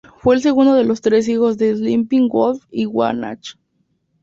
Fue el segundo de los tres hijos de Sleeping Wolf y Wah Nach.